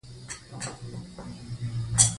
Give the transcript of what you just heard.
طبیعي زیرمې د افغانستان په طبیعت کې مهم رول لري.